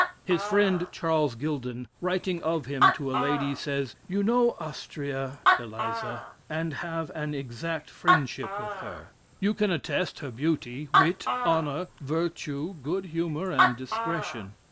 His friend, Charles Gil don, writing of him to a lady, says, "You know Astrea (Eliza,) and have an exact friendship with her. You can attest her beauty, wit, honor, virtue, good humor, and discretion.